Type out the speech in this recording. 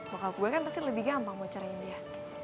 bokap gue kan pasti lebih gampang mau carain dia